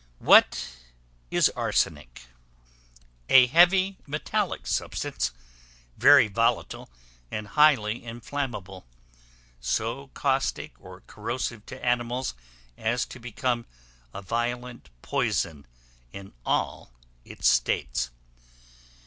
What is Arsenic? A heavy metallic substance, very volatile, and highly inflammable; so caustic or corrosive to animals, as to become a violent poison in all its states.